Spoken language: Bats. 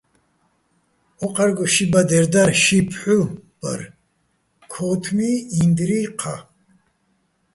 ო́ჴარგო ში ბადერ დარ, ში ფჰ̦უ ბარ, ქო́თმი, ინდრი, ჴა.